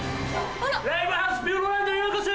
ライブハウスピューロランドへようこそ！